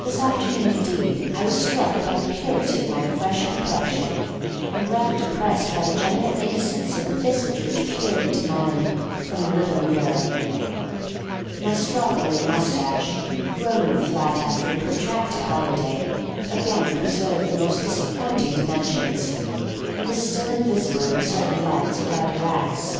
This afternoon, indeed, I was struck by the purity of my fresh complexion, and rather depressed by the general innocence of the visage which peered into mine from the little mirror. My straw colored moustache, grown in the flat after a protracted holiday, again preserved the most disappointing dimensions, and was still invisible in certain lights without wax.